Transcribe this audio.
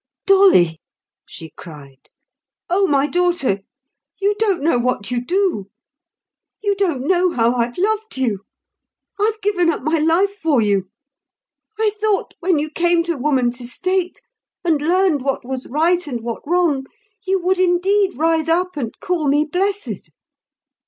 "Dolly," she cried, "oh, my daughter, you don't know what you do! You don't know how I've loved you! I've given up my life for you. I thought when you came to woman's estate, and learned what was right and what wrong, you would indeed rise up and call me blessed.